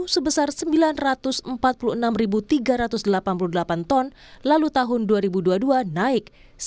sebesar sembilan ratus empat puluh enam tiga ratus delapan puluh delapan ton lalu tahun dua ribu dua puluh dua naik